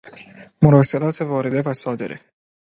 مراسلات وارده و صادره